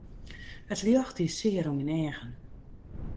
It ljocht die sear oan myn eagen.